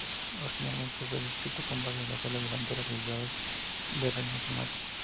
Originalmente fue descrito con base en alas delanteras aisladas de reinas y machos.